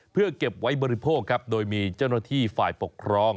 เพื่อเก็บไว้บริโภคครับโดยมีเจ้าหน้าที่ฝ่ายปกครอง